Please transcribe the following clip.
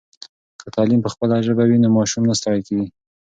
که تعلیم په خپله ژبه وي نو ماشوم نه ستړی کېږي.